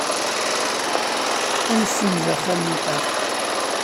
Ad nessenz axxam-nteɣ.